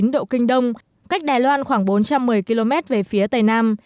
một trăm một mươi sáu chín độ kinh đông cách đài loan khoảng bốn trăm một mươi km về phía tây nam